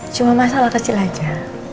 cuma masalah kecil aja